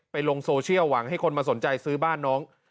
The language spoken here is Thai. ลงโซเชียลหวังให้คนมาสนใจซื้อบ้านน้อง